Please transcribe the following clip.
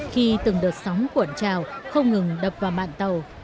khi từng đợt sóng cuộn trào không ngừng đập vào mạng tàu